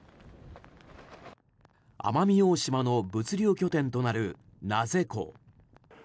奄美大島の物流拠点となる名瀬港。